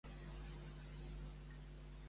Qui va anar a veure Isaac a Guerar?